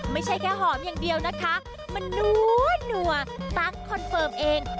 ไม่ใช่แค่หอมอย่างเดียวนะคะมันนัวตั้งคอนเฟิร์มเอง